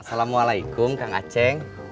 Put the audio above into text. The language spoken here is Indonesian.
assalamualaikum kang aceh